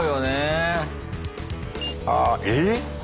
あえっ？